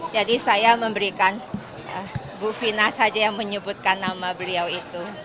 jadi saya memberikan bu vina saja yang menyebutkan nama beliau itu